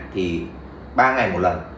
thì ba ngày một lần